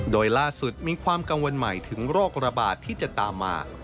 โดยล่าสุดมีความกังวลใหม่ถึงโรคระบาดที่จะตามมา